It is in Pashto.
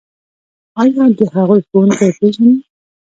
ایا د هغوی ښوونکي پیژنئ؟